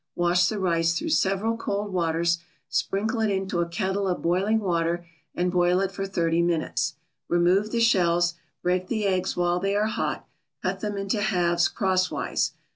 Wash the rice through several cold waters, sprinkle it into a kettle of boiling water and boil it for thirty minutes. Remove the shells, break the eggs while they are hot, cut them into halves crosswise.